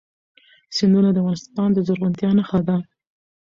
سیندونه د افغانستان د زرغونتیا نښه ده.